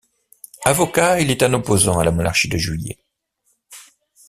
Avocat, il est un opposant à la Monarchie de Juillet.